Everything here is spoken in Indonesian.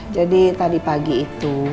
jadi tadi pagi itu